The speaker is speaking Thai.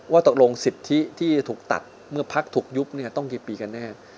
ว่าตกลงสิทธิที่จะถูกตัดเมื่อพักถูกยุบต้องกี่ปีกันแน่